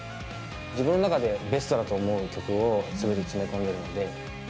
自分の中でベストだと思う曲をすべて詰め込んでるので。